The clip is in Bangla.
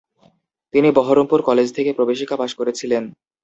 তিনি বহরমপুর কলেজ থেকে প্রবেশিকা পাস করেছিলেন।